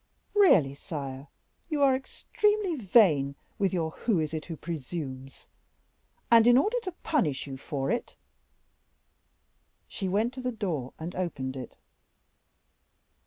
"Really, sire, you are extremely vain with your 'who is it who presumes?' and in order to punish you for it " She went to the door and opened it.